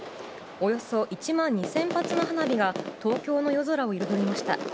およそ１万２０００発の花火が東京の夜空を彩りました。